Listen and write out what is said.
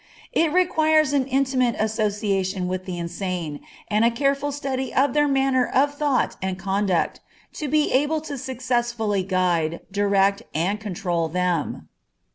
It requires an intimate association with the insane, and a careful study of their manner of thought and conduct, to be able to successfully guide, direct, and control them.